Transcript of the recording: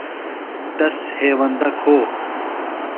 تس ہیوندہ کھو۔